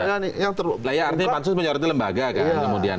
artinya pansus menyoroti lembaga kan kemudian